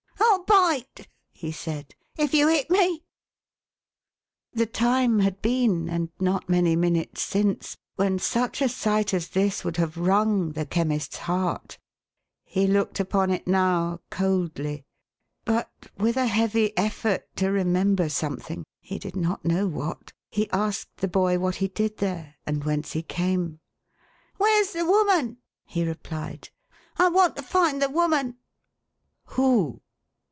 " 111 bite," he said, " if you hit me !" The time had been, and not many minutes since, when such a sight as this would have wrung the Chemist's heart. He looked upon it now, coldly; but, with a heavy effort to WITHOUT A NAME. 445 remember something — he did not know what — he asked the boy what he did there, and whence he came. " Where's the woman ?" he replied. " I want to find the woman." "Who?"